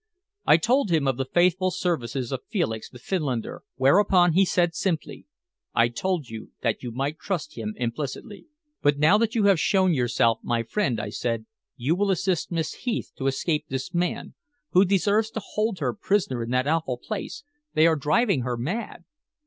I told him of the faithful services of Felix, the Finlander, whereupon he said simply: "I told you that you might trust him implicitly." "But now that you have shown yourself my friend," I said, "you will assist Miss Heath to escape this man, who desires to hold her prisoner in that awful place. They are driving her mad."